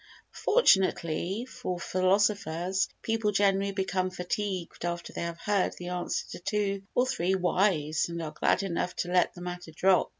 Fortunately for philosophers, people generally become fatigued after they have heard the answer to two or three "whys" and are glad enough to let the matter drop.